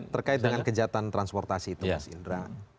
terkait dengan kejahatan transportasi itu mas indra